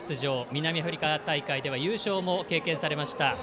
南アフリカ大会では優勝も経験されました。